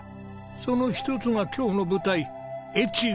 その一つが今日の舞台越後国。